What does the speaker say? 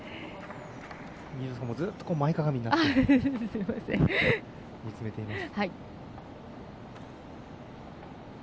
二條さんもずっと前かがみになって見つめています。